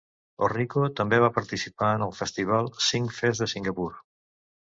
Orrico també va participar en el festival Singfest de Singapur.